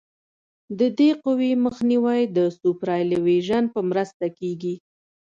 د دې قوې مخنیوی د سوپرایلیویشن په مرسته کیږي